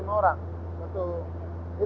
kita tidak akan transportasi